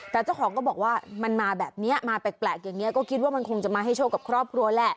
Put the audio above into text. แต่เจ้าของก็บอกว่ามันมาแบบนี้มาแปลกอย่างนี้ก็คิดว่ามันคงจะมาให้โชคกับครอบครัวแหละ